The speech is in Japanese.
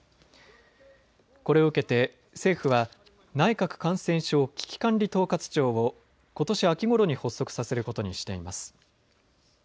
これを受けて政府は内閣感染症危機管理統括庁をことし秋ごろに発足させることにしています。